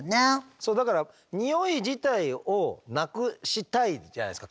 そうだからにおい自体をなくしたいじゃないですか。